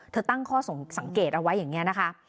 ตั้งข้อสังเกตเอาไว้อย่างนี้นะคะ